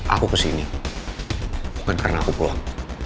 aku kesini bukan karena aku pulang